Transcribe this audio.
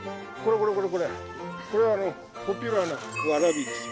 これポピュラーなわらびです